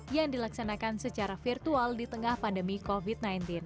yang dilaksanakan secara virtual di tengah pandemi covid sembilan belas